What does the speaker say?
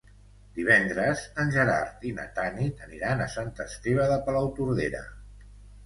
Divendres en Gerard i na Tanit aniran a Sant Esteve de Palautordera.